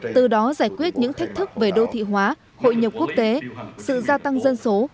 từ đó giải quyết những thách thức về đô thị hóa hội nhập quốc tế sự gia tăng dân số